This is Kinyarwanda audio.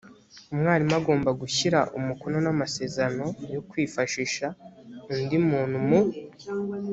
umwarimu agomba gushyira umukono n amasezerano yo kwifashisha undi muntu mu